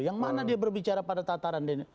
yang mana dia berbicara pada tataran